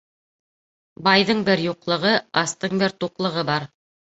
Байҙың бер юҡлығы, астың бер туҡлығы бар.